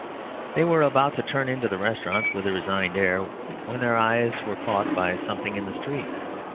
They were about to turn into the restaurant with a resigned air, when their eyes were caught by something in the street.